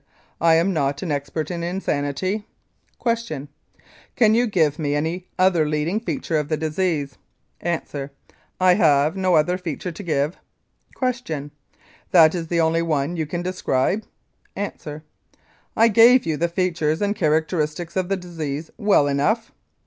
I am not an expert in insanity. Q. Can you give me any other leading feature of the disease? A.I I have no other feature to give. Q. That is the only one you can describe? A. I gave you the features and characteristics of the disease well enough.